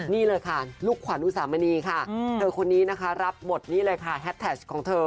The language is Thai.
นี่เลยค่ะลูกขวัญอุสามณีค่ะเธอคนนี้รับบทแฮทแทชของเธอ